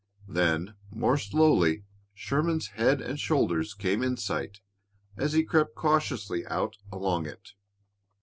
Then, more slowly, Sherman's head and shoulders came in sight as he crept cautiously out along it.